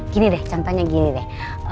gini deh contohnya gini deh